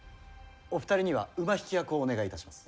お二人には馬引き役をお願いいたします。